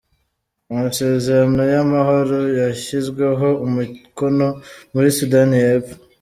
Amasezerano y’amahoro yashyizweho umukono muri Sudani y’Epfo